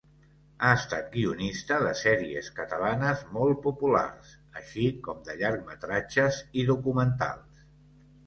Ha estat guionista de sèries catalanes molt populars, així com de llargmetratges i documentals.